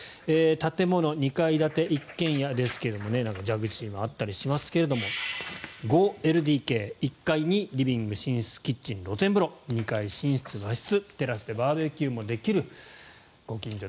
建物は２階建て一軒家ですがジャグジーもあったりしますが５ＬＤＫ、１階にリビング寝室、キッチン、露天風呂２階寝室、和室テラスでバーベキューもできる。